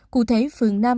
cụ thể phường năm